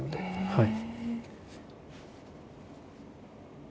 はい。